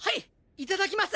いただきます。